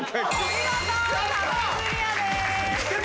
見事壁クリアです。